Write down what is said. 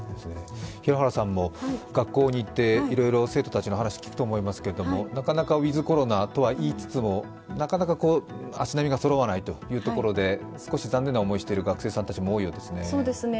平原さんも学校に行っていろいろ生徒たちの話を聞くと思いますけれどもウィズ・コロナとは言いつつもなかなか足並みがそろわないとこで少し残念な思いをしている学生さんたちも多いようですね。